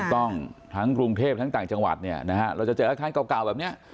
ถูกต้องทั้งกรุงเทพฯทั้งต่างจังหวัดเราจะเจออาคารเก่าแบบนี้